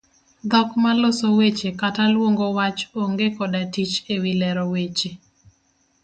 Dhok ma loso weche kata luong'o wach onge' koda tich ewi lero weche.